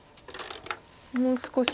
もう少し。